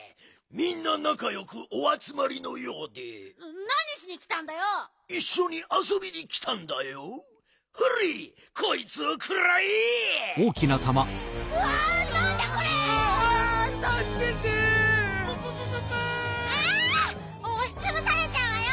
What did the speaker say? あっおしつぶされちゃうわよ！